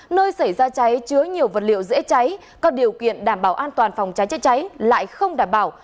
nơi xảy ra cháy chứa nhiều vật liệu dễ cháy các điều kiện đảm bảo an toàn phòng cháy chữa cháy lại không đảm bảo